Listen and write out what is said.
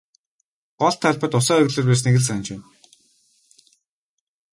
Гол талбайд усан оргилуур байсныг л санаж байна.